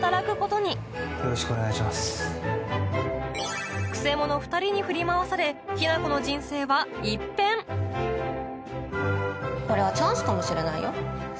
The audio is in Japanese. くせ者２人に振り回され雛子の人生は一変これはチャンスかもしれないよ？